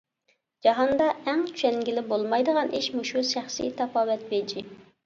جاھاندا ئەڭ چۈشەنگىلى بولمايدىغان ئىش مۇشۇ شەخسى تاپاۋەت بېجى.